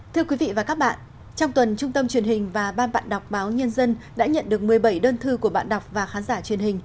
thưa quý vị và các bạn trong tuần trung tâm truyền hình và ban bạn đọc báo nhân dân đã nhận được một mươi bảy đơn thư của bạn đọc và khán giả truyền hình